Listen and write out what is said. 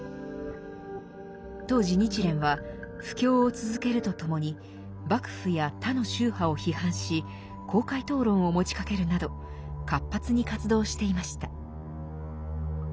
当時日蓮は布教を続けるとともに幕府や他の宗派を批判し公開討論を持ちかけるなど活発に活動していました。